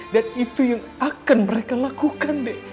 dan itu yang akan mereka lakukan deh